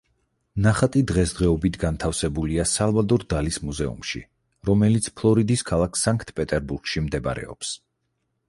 ნახატი დღესდღეობით განთავსებულია სალვადორ დალის მუზეუმში, რომელიც ფლორიდის ქალაქ სანქტ-პეტერბურგში მდებარეობს.